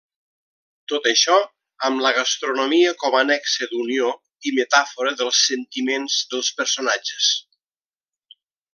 Tot això amb la gastronomia com a nexe d'unió i metàfora dels sentiments dels personatges.